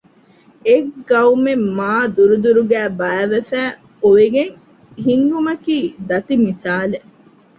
އެއް ޤައުމެއް މާދުރުދުރުގައި ބައިވެފައި އޮވެގެން ހިންގުމަކީ ދަތި މިސާލެއް